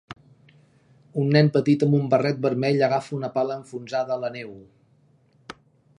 Un nen petit amb un barret vermell agafa una pala enfonsada a la neu.